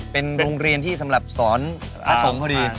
เป็นโรงเรียนที่สำหรับสอนพระสงฆ์พอดี